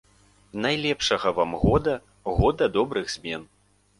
Найлепшага вам года, года добрых змен!